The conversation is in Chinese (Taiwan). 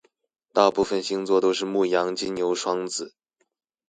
大部分星座都是牡羊金牛雙子